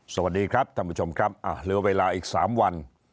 สวัสดีครับท่านผู้ชมครับเหลือเวลาอีก๓วัน